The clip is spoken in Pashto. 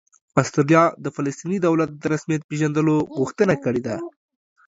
استرالیا د فلسطیني دولت د رسمیت پېژندلو غوښتنه کړې ده